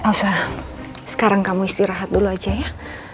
asah sekarang kamu istirahat dulu aja ya